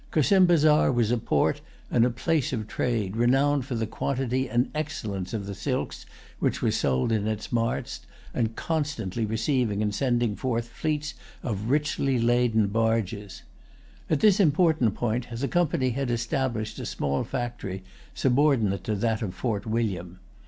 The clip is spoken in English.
Cossimbazar was a port and a place of[Pg 120] trade, renowned for the quantity and excellence of the silks which were sold in its marts, and constantly receiving and sending forth fleets of richly laden barges. At this important point, the Company had established a small factory subordinate to that of Fort William.